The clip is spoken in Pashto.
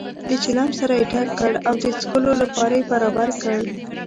د چلم سر یې ډک کړ او د څکلو لپاره یې برابر کړ.